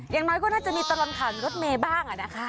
อย่างน้อยก็จะมีตะลังถั่งรถเมล์บ้างอะนะคะ